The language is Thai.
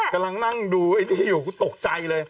กำลังนั่งดูตกใจเลย